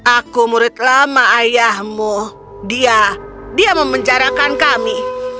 aku murid lama ayahmu dia dia memenjarakan kami